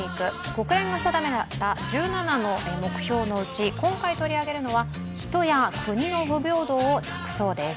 国連が定めた１７の目標のうち今回取り上げるのは「人や国の不平等をなくそう」です。